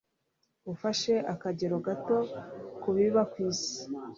ufashe akagero gato ku biba ku isi